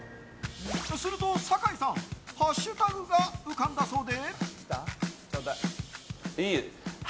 すると酒井さんハッシュタグが浮かんだそうで。